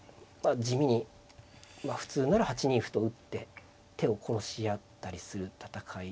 地味に普通なら８ニ歩と打って手を殺し合ったりする戦い。